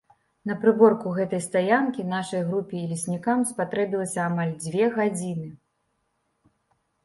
На прыборку гэтай стаянкі нашай групе і леснікам спатрэбілася амаль дзве гадзіны.